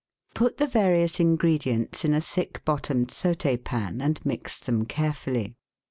— Put the various ingredients in a thick bottomed saut^ pan and mix them carefully.